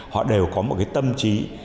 họ đều có một cái tâm trí